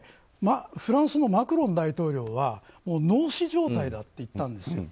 フランスのマクロン大統領は脳死状態だって言ったんです。